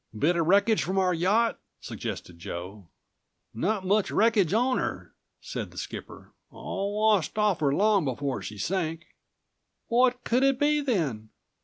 "Bit of wreckage from our yacht," suggested Joe. "Not much wreckage on 'er," said the218 skipper. "All washed off 'er long before she sank." "What could it be then?"